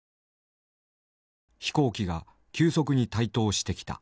飛行機が急速に台頭してきた。